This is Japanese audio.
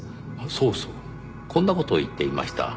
そうそうこんな事を言っていました。